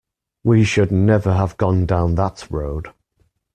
We should never have gone down that road.